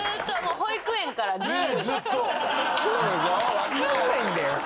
わかんないんだよ。